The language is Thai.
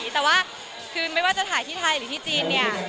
แต่ว่าคือไม่ว่าจะถ่ายที่ไทยหรือที่จีนเนี่ย